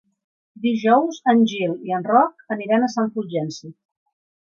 Dijous en Gil i en Roc aniran a Sant Fulgenci.